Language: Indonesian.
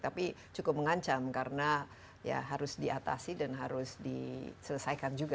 tapi cukup mengancam karena ya harus diatasi dan harus diselesaikan juga